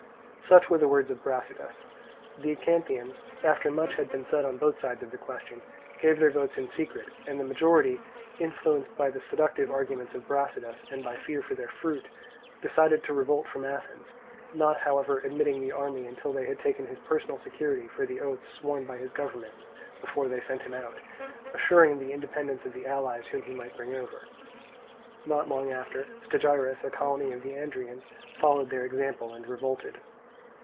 Such were the words of Brasidas. The Acanthians, after much had been said on both sides of the question, gave their votes in secret, and the majority, influenced by the seductive arguments of Brasidas and by fear for their fruit, decided to revolt from Athens; not however admitting the army until they had taken his personal security for the oaths sworn by his government before they sent him out, assuring the independence of the allies whom he might bring over. Not long after, Stagirus, a colony of the Andrians, followed their example and revolted.